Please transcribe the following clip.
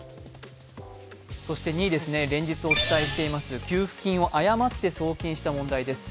そして２位ですね、連日お伝えしています給付金を誤って送金した問題です。